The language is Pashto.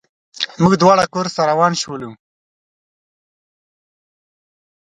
موږ دواړه کورس ته روان شولو.